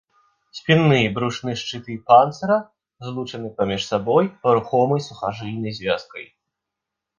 Спінны і брушны шчыты панцыра злучаны паміж сабой рухомай сухажыльнай звязкай.